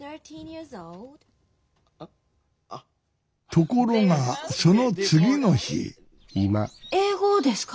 ところがその次の日英語をですか？